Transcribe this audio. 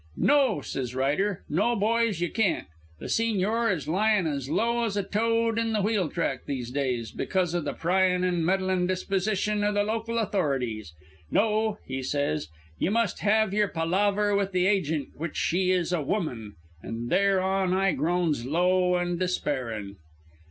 "'No,' says Ryder, 'No, boys. Ye can't. The Sigñor is lying as low as a toad in a wheeltrack these days, because o' the pryin' and meddlin' disposition o' the local authorities. No,' he says, 'ye must have your palaver with the agent which she is a woman,' an' thereon I groans low and despairin'.